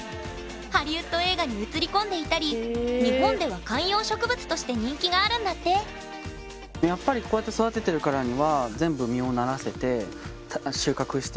ハリウッド映画に映り込んでいたり日本では観葉植物として人気があるんだってやっぱりこうやって確かに。